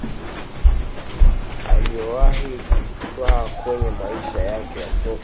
aliyowahi kutwaa kwenye maisha yake ya soka